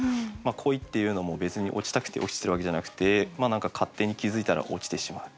恋っていうのも別に落ちたくて落ちてるわけじゃなくて何か勝手に気付いたら落ちてしまう。